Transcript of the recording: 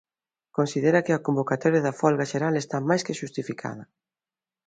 Considera que a convocatoria da folga xeral está máis que xustificada.